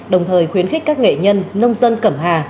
đồng thời khuyến khích các nghệ nhân nông dân cẩm hà